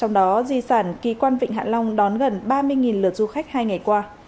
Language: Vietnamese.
trong đó di sản kỳ quan vịnh hạ long đón gần ba mươi lượt du khách hai ngày qua